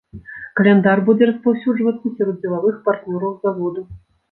Каляндар будзе распаўсюджвацца сярод дзелавых партнёраў заводу.